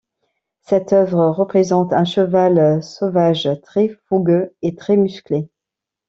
Cette œuvre représente un cheval sauvage très fougueux et très musclé.